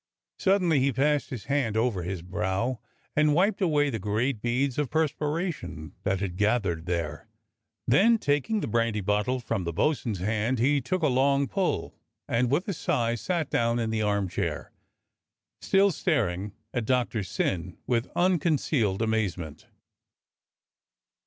Suddenly he passed his hand over his brow and wiped away the great beads of perspiration that had gathered there; then taking the brandy bottle from the bo'sun's hand he took a long pull, and with a sigh sat down in the armchair, still staring at Doctor Syn with unconcealed amazement.